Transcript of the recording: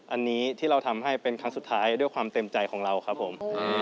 อันนี้ที่เราทำให้เป็นครั้งสุดท้ายด้วยความเต็มใจของเราครับผม